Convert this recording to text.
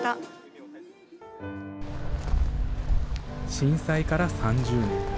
震災から３０年。